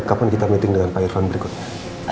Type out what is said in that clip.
kapan kita meeting dengan pak irvan berikutnya